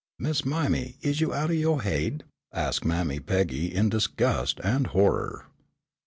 "Miss Mime, is you out o' yo' haid?" asked Mammy Peggy in disgust and horror.